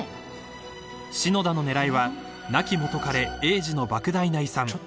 ［篠田の狙いは亡き元カレ栄治の莫大な遺産］